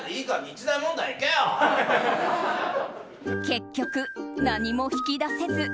結局、何も引き出せず。